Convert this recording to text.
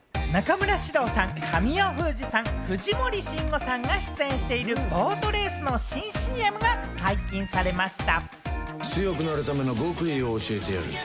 中村獅童さん、神尾楓珠さん、藤森慎吾さんが出演しているボートレースの新ＣＭが解禁されました。